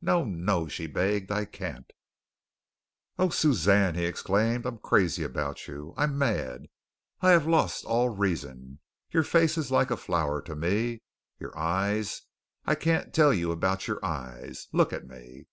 "No, no," she begged, "I can't." "Oh, Suzanne," he exclaimed, "I am crazy about you. I am mad. I have lost all reason. Your face is like a flower to me. Your eyes I can't tell you about your eyes. Look at me!"